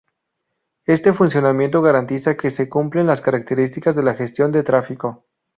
Este funcionamiento garantiza que se cumplen las características de la gestión de tráfico.